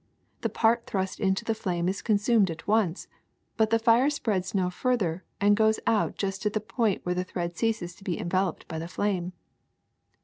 The part thrust into the flame is consumed at once, but the fire spreads no farther and goes out just at the point where the thread ceases to be enveloped by the flame.